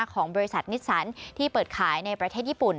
ของบริษัทนิสสันที่เปิดขายในประเทศญี่ปุ่น